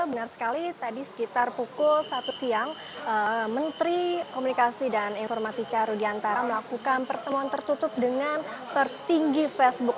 benar sekali tadi sekitar pukul satu siang menteri komunikasi dan informatika rudiantara melakukan pertemuan tertutup dengan tertinggi facebook